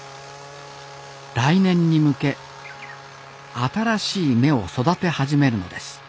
来年に向け新しい芽を育て始めるのです